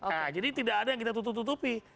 nah jadi tidak ada yang kita tutup tutupi